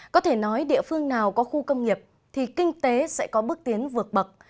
để nói địa phương nào có khu công nghiệp thì kinh tế sẽ có bước tiến vượt bậc